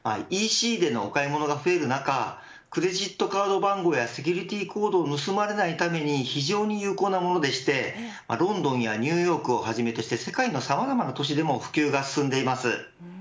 ＥＣでのお買い物が増える中クレジットカード番号やセキュリティコードを盗まれないために非常に有効なものでロンドンやニューヨークをはじめとして世界で普及が進んでいます。